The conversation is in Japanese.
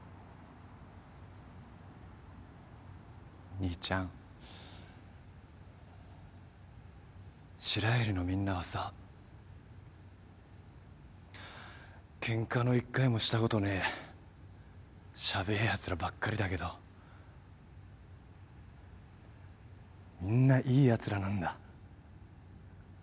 兄ちゃん白百合のみんなはさケンカの１回もしたことねえシャベえやつらばっかりだけどみんないいやつらなんだ。